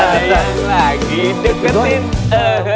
ada yang lagi deketin ee ee